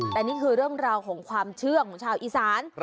แต่นี่คือเรื่องราวของความเชื่อของชาวอีสาน